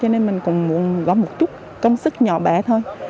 nên mình cũng muốn góp một chút công sức nhỏ bẻ thôi